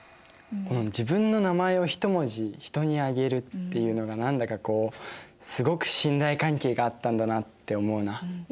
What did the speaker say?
自分の名前を１文字人にあげるっていうのが何だかこうすごく信頼関係があったんだなって思うな。